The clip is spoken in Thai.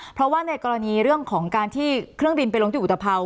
เพราะว่าในกรณีเรื่องของการที่เครื่องบินไปลงที่อุตภัว